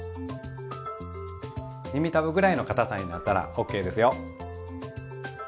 耳たぶぐらいのかたさになったらＯＫですよ。